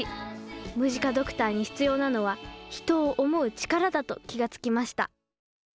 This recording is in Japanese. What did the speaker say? ムジカドクターに必要なのは人を思う力だと気が付きました